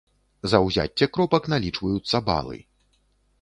За ўзяцце кропак налічваюцца балы.